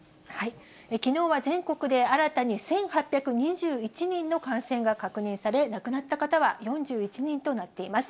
きのうは全国で新たに１８２１人の感染が確認され、亡くなった方は４１人となっています。